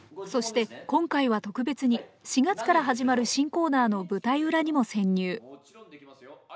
そして今回は特別に４月から始まる新コーナーの舞台裏にも潜入。